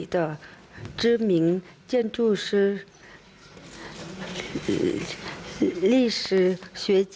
ต่อจากนั้นเสด็จพระโหรกราชแขนตอบ